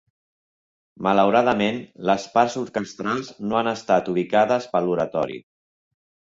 Malauradament, les parts orquestrals no han estat ubicades per l'oratori.